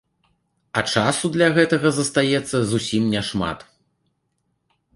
А часу для гэтага застаецца зусім няшмат.